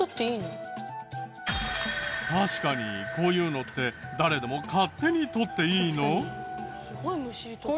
確かにこういうのって誰でも勝手に取っていいの？